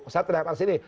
saya terlihat di sini